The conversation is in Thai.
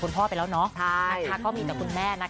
คุณต้องร้องให้พร้อมเหมือนคุณแม่ดวงแก้ว